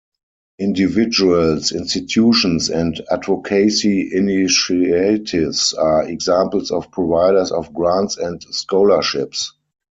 Individuals, institutions, and advocacy initiatives are examples of providers of grants and scholarships.